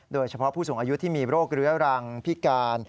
โดยเฉพาะผู้สูงอายุที่มีโรคเรื้อรังพิการ